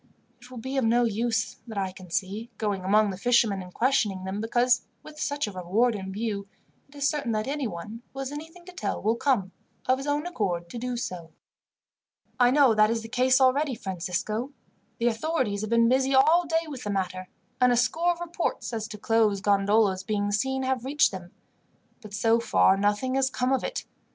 It will be of no use, that I can see, going among the fishermen and questioning them, because, with such a reward in view, it is certain that anyone who has anything to tell will come, of his own accord, to do so." "I know that is the case already, Francisco. The authorities have been busy all day with the matter, and a score of reports as to closed gondolas being seen have reached them; but so far nothing has come of it.